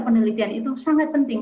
penelitian itu sangat penting